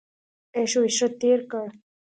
عیش او عشرت تېر کړ.